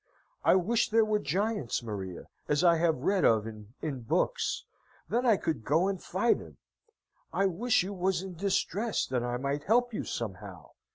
I wish there was giants, Maria, as I have read of in in books, that I could go and fight 'em. I wish you was in distress, that I might help you, somehow.